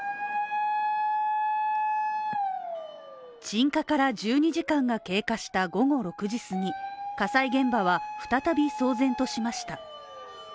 鎮火から１２時間が経過した午後６時すぎ火災現場は再び騒然としました。